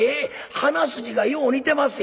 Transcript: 鼻筋がよう似てまっせ」。